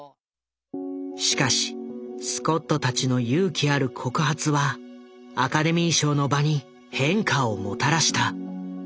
しかしスコットたちの勇気ある告発はアカデミー賞の場に変化をもたらした。